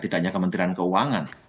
tidak hanya kementerian keuangan